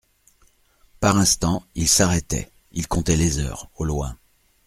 Par instants, il s'arrêtait, il comptait les heures, au loin.